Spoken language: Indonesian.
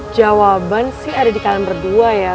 jawaban sih ada di kalian berdua ya